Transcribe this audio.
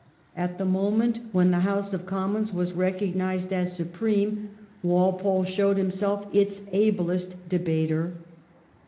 At the moment when the House of Commons was recog nised as supreme, Walpole showed himself its ablest debater.